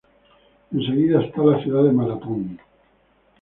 Enseguida está la ciudad de Maratón.